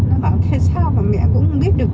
nó bảo thế sao mà mẹ cũng biết được